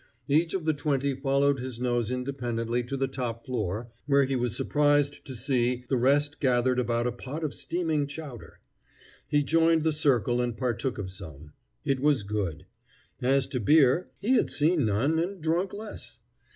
Each of the twenty followed his nose independently to the top floor, where he was surprised to see the rest gathered about a pot of steaming chowder. He joined the circle and partook of some. It was good. As to beer, he had seen none and drunk less.